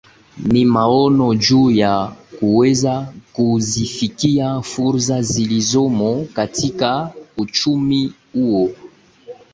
Ni maono juu ya kuweza kuzifikia fursa zilizomo katika uchumi huo